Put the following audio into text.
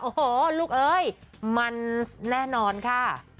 โอ้โหลูกเอ้ยมันแน่นอนค่ะ